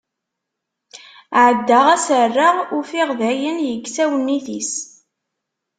Ɛeddaɣ ad s-rreɣ, ufiɣ dayen yekkes awennit-is.